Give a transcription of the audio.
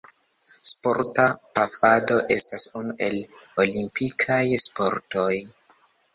Sporta pafado estas unu el olimpikaj sportoj.